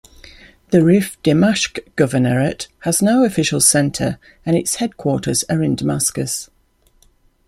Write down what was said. The Rif Dimashq Governorate has no official centre and its headquarters are in Damascus.